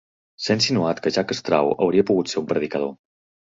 S'ha insinuat que Jack Straw hauria pogut ser un predicador.